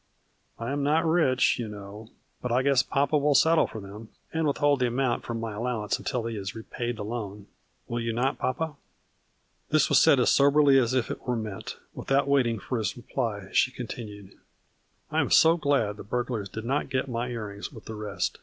I am not rich, you know, but I guess papa will settle for them and withhold the amount from my allowance until he is repaid the loan, will you not papa ?" This was said as soberly as if it were meant. Without wait ing for his reply, she continued :" I am so glad the burglars did not get my A FLURRY IN DIAMONDS. 41 earrings with the rest.